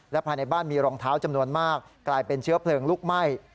ภายในบ้านมีรองเท้าจำนวนมากกลายเป็นเชื้อเพลิงลุกไหม้